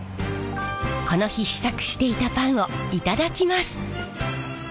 この日試作していたパンをいただきます。